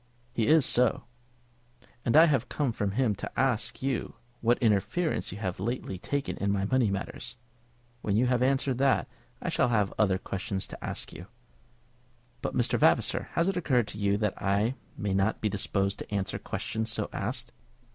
"He is so." "And I have come from him to ask you what interference you have lately taken in my money matters. When you have answered that, I shall have other questions to ask you." "But, Mr. Vavasor, has it occurred to you that I may not be disposed to answer questions so asked?"